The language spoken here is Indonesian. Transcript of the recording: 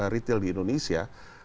retail di indonesia